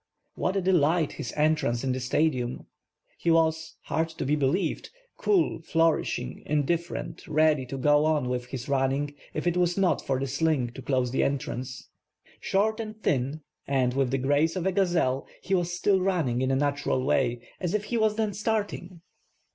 What a delight his entrance in the Stadium? He was (hard to be believed) cool, flourishing, indifferent, ready to go on willi his running if it was not for the sling to close the entrance. Short and thin, and with the grace of a gazelle, he was still rtuuiing in a natural way as if he was then starting.